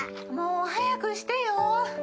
もう早くしてよ。